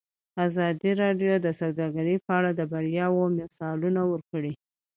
ازادي راډیو د سوداګري په اړه د بریاوو مثالونه ورکړي.